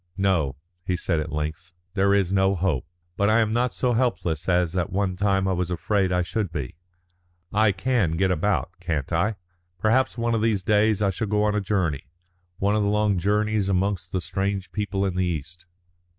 "No," he said at length. "There is no hope. But I am not so helpless as at one time I was afraid that I should be. I can get about, can't I? Perhaps one of these days I shall go on a journey, one of the long journeys amongst the strange people in the East."